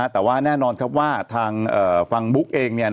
แต่แน่นอนว่าทางฝั่งบุ๊กเอง